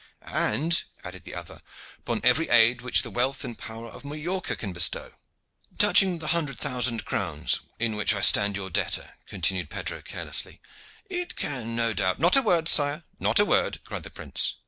"And," added the other, "upon every aid which the wealth and power of Majorca can bestow." "Touching the hundred thousand crowns in which I stand your debtor," continued Pedro carelessly, "it can no doubt " "Not a word, sire, not a word!" cried the prince.